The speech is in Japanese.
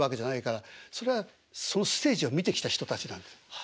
それはそのステージを見てきた人たちなんだ。